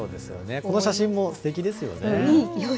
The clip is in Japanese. この写真もすてきですよね。